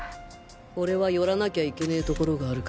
俺は寄らなきゃいけねぇ所があるから。